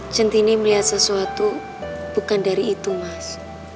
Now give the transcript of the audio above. centini melihat sesuatu bukan dari itu mas